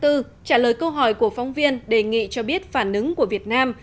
trong ngày chín tháng bốn trả lời câu hỏi của phóng viên đề nghị cho biết phản ứng của việt nam